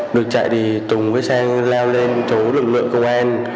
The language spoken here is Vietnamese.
được chạy thì tùng với xe leo lên chỗ lực lượng công an